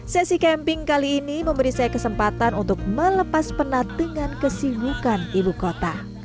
sesi camping kali ini memberi saya kesempatan untuk melepas penat dengan kesibukan ibu kota